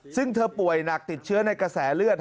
ซึ่งเธอป่วยหนักติดเชื้อในกระแสเลือด